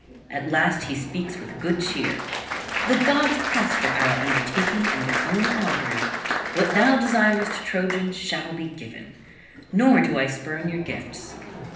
At last he speaks with good cheer: 'The gods prosper our undertaking and their own augury! What thou desirest, Trojan, shall be given; nor do I spurn your gifts.